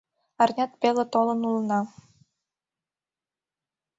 Арнят пеле толын улына